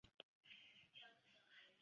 观察第的历史年代为清代。